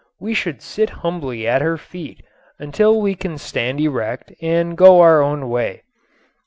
We should sit humbly at her feet until we can stand erect and go our own way.